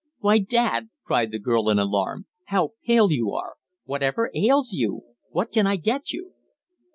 "Why, dad," cried the girl in alarm, "how pale you are! Whatever ails you? What can I get you?"